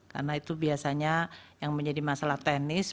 karena itu biasanya yang menjadi masalah teknis